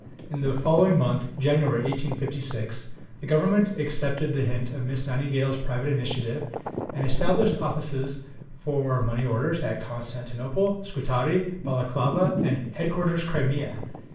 In the following month (January 1856) the Government accepted the hint of Miss Nightingale's private initiative and established offices for money orders at Constantinople, Scutari, Balaclava, and "Headquarters, Crimea."